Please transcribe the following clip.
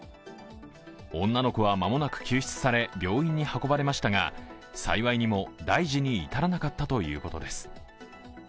女の子は間もなく救出され、病院に運ばれましたが幸いにも、大事に至らなかったということです。